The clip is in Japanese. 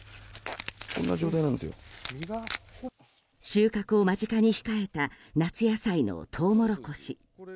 収穫を間近に控えた夏野菜のトウモロコシ。